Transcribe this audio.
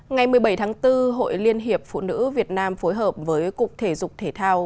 ngày một mươi bảy tháng bốn hội liên hiệp phụ nữ việt nam phối hợp với cục thể dục thể thao